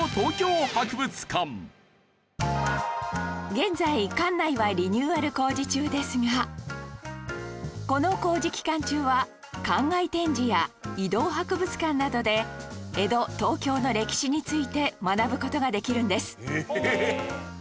現在館内はリニューアル工事中ですがこの工事期間中は館外展示や移動博物館などで江戸東京の歴史について学ぶ事ができるんです